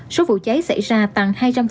số vụ cháy xảy ra tăng hai trăm linh